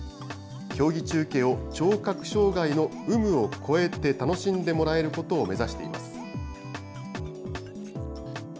競技中継を聴覚障害の有無を超えて楽しんでもらえることを目指しています。